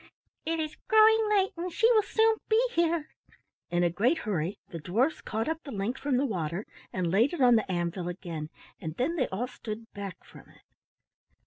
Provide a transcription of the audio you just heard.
"It is growing late and she will soon be here." In a great hurry the dwarfs caught up the link from the water and laid it on the anvil again, and then they all stood back from it.